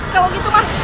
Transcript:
jangan gitu man